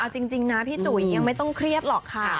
จริงฉี่ยังไม่ต้องเครียดหรอกค่ะ